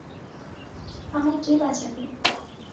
আমায় কে বাঁচাবে?